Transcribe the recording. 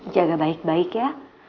jaga baik baik ya